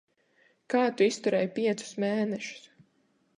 Kā tu izturēji piecus mēnešus?